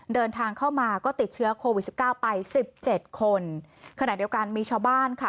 เดินทางเข้ามาก็ติดเชื้อโควิดสิบเก้าไปสิบเจ็ดคนขณะเดียวกันมีชาวบ้านค่ะ